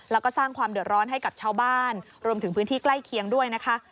แล้วก็สร้างความเดือดร้อนให้กับชาวบ้านรวมถึงพื้นที่ใกล้เคียงด้วยนะคะ